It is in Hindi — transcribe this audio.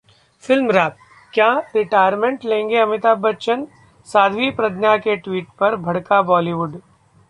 FilmWrap: क्या रिटायरमेंट लेंगे अमिताभ बच्चन, साध्वी प्रज्ञा के ट्वीट पर भड़का बॉलीवुड